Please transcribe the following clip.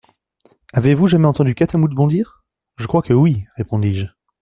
Avez-vous jamais vu un catamount bondir ? Je crois que oui, répondis-je.